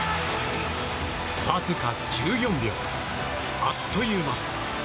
わずか１４秒、あっという間。